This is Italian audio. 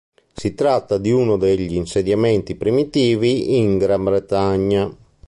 Si tratta di uno degli insediamenti primitivi in Gran Bretagna.